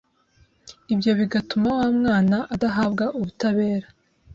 ibyo bigatuma wa mwana adahabwa ubutabera